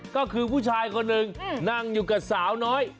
ก็คือผู้ชายคนหนึ่งนั่งอยู่กับสาวน้อย